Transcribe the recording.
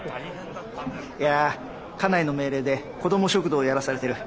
いや家内の命令で子供食堂をやらされてる。